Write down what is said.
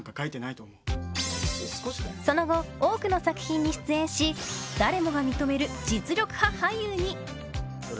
その後、多くの作品に出演し誰もが認める実力派俳優に。